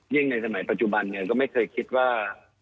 ยิ่งในสมัยปัจจุบันก็ไม่เคยคิดว่า